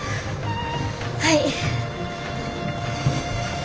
はい。